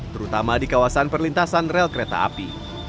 terutama di kawasan perlintasan rel kereta api